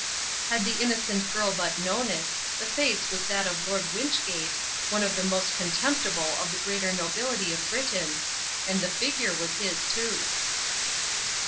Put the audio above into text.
Had the innocent girl but known it, the face was that of Lord Wynchgate, one of the most contemptible of the greater nobility of Britain, and the figure was his too.